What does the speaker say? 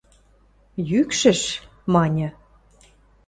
– Йӱкшӹш... – маньы.